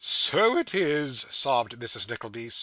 'So it is,' sobbed Mrs. Nickleby.